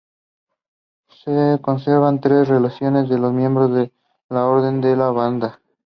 Se conservan tres relaciones de miembros de la Orden de la Banda.